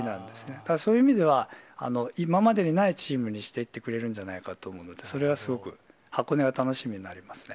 ただ、そういう意味では、今までにないチームにしていってくれるんじゃないかと思うので、それはすごく、箱根は楽しみになりますね。